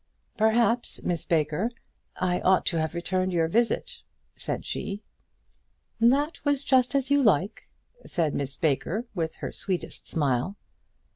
"Perhaps, Miss Baker, I ought to have returned your visit," said she. "That was just as you like," said Miss Baker with her sweetest smile.